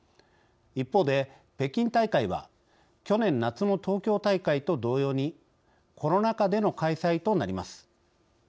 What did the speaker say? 一方で、北京大会は去年夏の東京大会と同様にコロナ禍での開催となります。